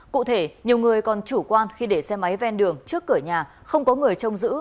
cụ thể nhiều người còn chủ quan khi để xe máy ven đường trước cửa nhà không có người trông giữ